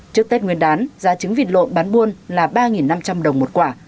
trước tết nguyên đán giá trứng vịt lộn bán buôn là ba năm trăm linh đồng một quả